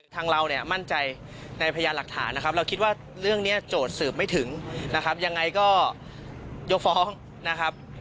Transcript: ทางเราเนี่ยมั่นใจในพยานหลักฐานนะครับเราคิดว่าเรื่องนี้โจทย์สืบไม่ถึงนะครับยังไงก็ยกฟ้องนะครับ